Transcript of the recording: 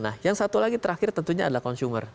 nah yang satu lagi terakhir tentunya adalah consumer